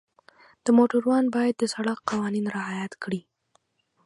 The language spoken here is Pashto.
د موټروان باید د سړک قوانین رعایت کړي.